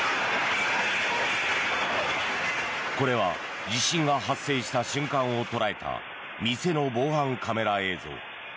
これは地震が発生した瞬間を捉えた店の防犯カメラ映像。